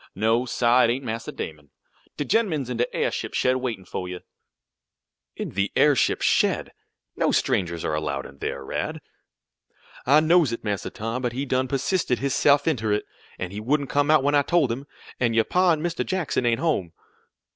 No, sah, it ain't Massa Damon. De gen'man's in de airship shed waitin' fo' you." "In the airship shed! No strangers are allowed in there, Rad." "I knows it, Massa Tom, but he done persisted his se'f inter it, an' he wouldn't come out when I told him; an' your pa an' Mr. Jackson ain't home."